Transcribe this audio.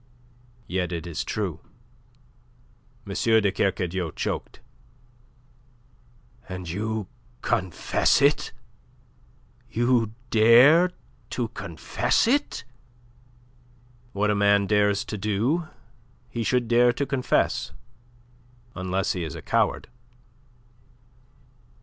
"Yet it is true." M. de Kercadiou choked. "And you confess it? You dare to confess it?" "What a man dares to do, he should dare to confess unless he is a coward."